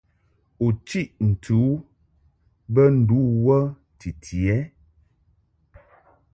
U chiʼ ntɨ u bə ndu wə titi ɛ?